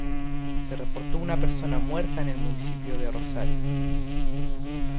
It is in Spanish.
Se reportó una persona muerta en el municipio de Rosario.